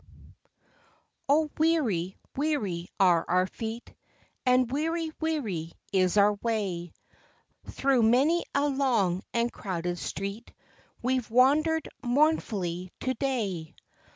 A'AH, weary, weary are our feet, v_y And weary, weary is our way ; Through many a long and crowded street WeŌĆÖve wandered mournfully to day.